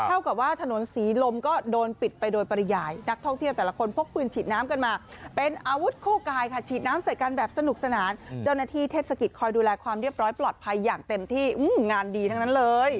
เท่ากับว่าถนนศรีลมก็โดนปิดไปโดยปริยายนักท่องเที่ยวแต่ละคนพกปืนฉีดน้ำกันมาเป็นอาวุธคู่กายค่ะฉีดน้ำใส่กันแบบสนุกสนานเจ้าหน้าที่เทศกิจคอยดูแลความเรียบร้อยปลอดภัยอย่างเต็มที่งานดีทั้งนั้นเลย